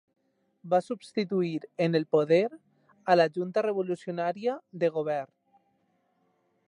Va substituir en el poder a la Junta Revolucionària de Govern.